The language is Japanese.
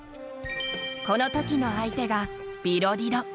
このときの相手が、ビロディド。